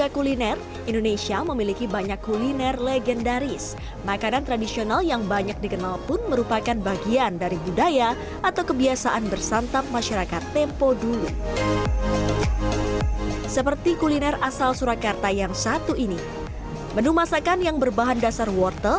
kuliner khas tempo